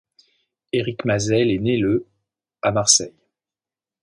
Éric Mazel est né le à Marseille.